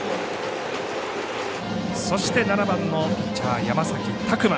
そして７番のピッチャー、山崎琢磨。